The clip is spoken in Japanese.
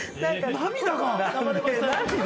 涙が。